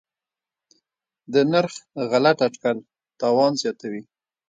د نرخ غلط اټکل تاوان زیاتوي.